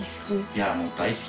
いやもう。